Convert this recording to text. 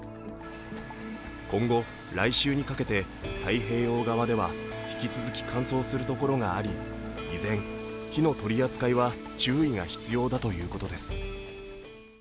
今後、来週にかけて太平洋側では引き続き乾燥するところがあり依然、火の取り扱いは注意が必要だということです。